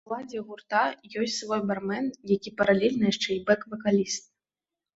У складзе гурта ёсць свой бармен, які паралельна яшчэ і бэк-вакаліст!